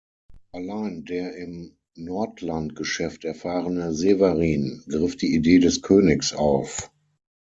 Allein der im Nordland-Geschäft erfahrene Severin griff die Idee des Königs auf.